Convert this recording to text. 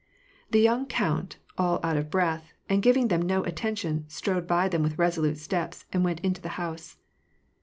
The young count, all out of breath, and giving them no attention, strode by them with resolute steps, and went into the house.